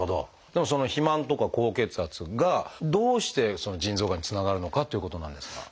でもその肥満とか高血圧がどうして腎臓がんにつながるのかっていうことなんですが。